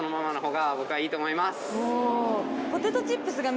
ポテトチップスが。